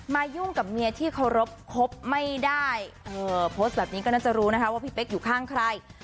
ยุ่งกับเมียที่เคารพคบไม่ได้เออโพสต์แบบนี้ก็น่าจะรู้นะคะว่าพี่เป๊กอยู่ข้างใคร